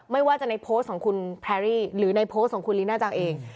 ไม่ว่าจะในโพสต์ของคุณแพรรี่หรือในโพสต์ของคุณลีน่าจังเอง